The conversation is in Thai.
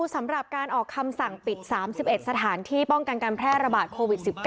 สำหรับการออกคำสั่งปิด๓๑สถานที่ป้องกันการแพร่ระบาดโควิด๑๙